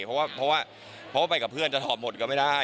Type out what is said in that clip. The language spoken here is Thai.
เพราะว่าไปกับเพื่อนจะทอดหมดก็ไม่ได้